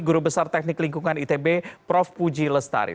guru besar teknik lingkungan itb prof puji lestari